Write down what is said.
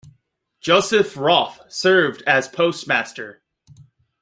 Joseph Roff served as postmaster.